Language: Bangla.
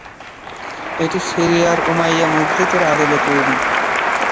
এটি সিরিয়ার উমাইয়া মসজিদের আদলে তৈরি।